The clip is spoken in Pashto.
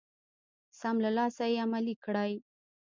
سم له لاسه يې عملي کړئ.